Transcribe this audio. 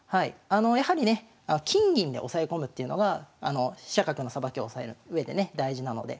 やはりね金銀で押さえ込むっていうのが飛車角のさばきを押さえるうえでね大事なので。